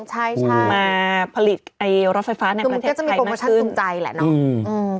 มาผลิตไฟฟ้าในประเทศไทยมากขึ้น